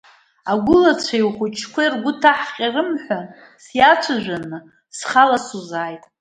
Агәылацәеи ухәыҷқәеи ргәы ҭаҳҟьарым ҳәа сиацәажәаны, схала сузааит.